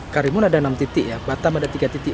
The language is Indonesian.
karimun ada enam titik ya batam ada tiga titik